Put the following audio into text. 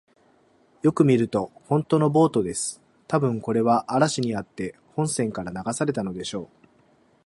よく見ると、ほんとのボートです。たぶん、これは嵐にあって本船から流されたのでしょう。